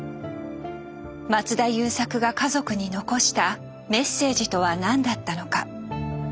松田優作が家族に残したメッセージとは何だったのか。